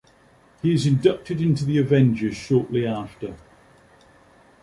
He is inducted into the Avengers shortly after.